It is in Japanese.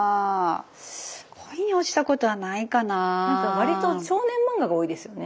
割と少年漫画が多いですよね